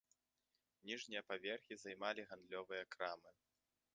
Ніжнія паверхі займалі гандлёвыя крамы.